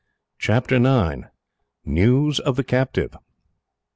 Chapter 9: News Of The Captive.